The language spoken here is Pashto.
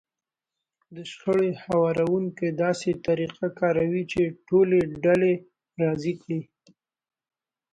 د شخړو هواروونکی داسې طريقه کاروي چې ټولې ډلې راضي کړي.